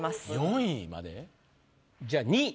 じゃあ２位。